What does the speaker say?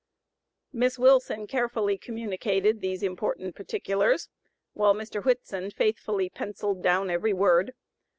Miss Wilson carefully communicated these important particulars, while Mr. Whitson faithfully penciled down every word.